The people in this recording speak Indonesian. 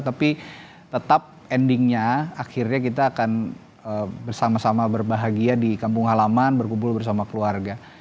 tapi tetap endingnya akhirnya kita akan bersama sama berbahagia di kampung halaman berkumpul bersama keluarga